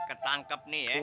ketangkep nih ya